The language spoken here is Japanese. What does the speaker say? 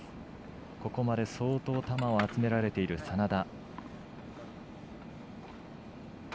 ここまで相当球を集められている眞田。